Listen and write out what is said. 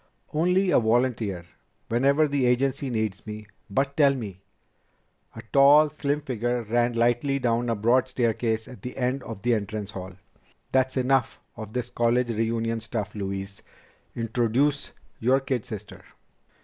"Only a volunteer, whenever the agency needs me. But tell me " A tall, slim figure ran lightly down a broad staircase at the end of the entrance hall. "That's enough of this college reunion stuff, Louise. Introduce your kid sister!"